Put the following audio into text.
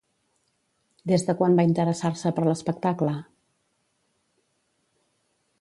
Des de quan va interessar-se per l'espectacle?